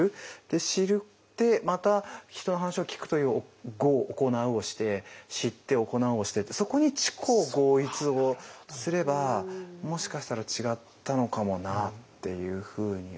知ってまた人の話を聞くという「行う」をして知って行うをしてってそこに知行合一をすればもしかしたら違ったのかもなっていうふうに思ったり。